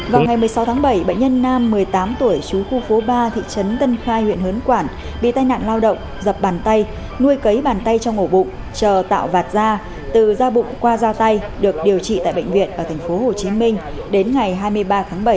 vào ngày một mươi sáu tháng bảy bệnh nhân nam một mươi tám tuổi chú khu phố ba thị trấn tân khai huyện hớn quản bị tai nạn lao động dập bàn tay nuôi cấy bàn tay trong ổ bụng chờ tạo vạt da từ da bụng qua ra tay được điều trị tại bệnh viện ở tp hcm đến ngày hai mươi ba tháng bảy